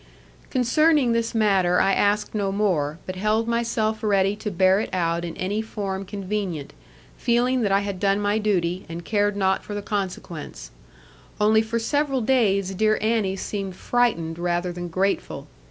Concerning this matter I asked no more, but held myself ready to bear it out in any form convenient, feeling that I had done my duty, and cared not for the consequence; only for several days dear Annie seemed frightened rather than grateful.